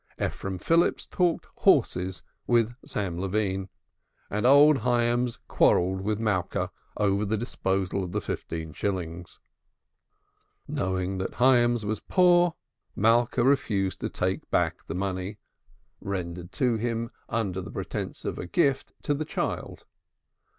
Ephraim Phillips talked horses with Sam Levine, and old Hyams quarrelled with Malka over the disposal of the fifteen shillings. Knowing that Hyams was poor, Malka refused to take back the money retendered by him under pretence of a gift to the child.